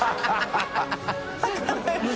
ハハハ